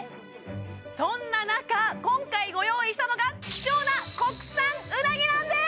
そんな中今回ご用意したのが希少な国産うなぎなんです！